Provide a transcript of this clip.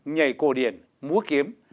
nhảy cổ điển múa kiếm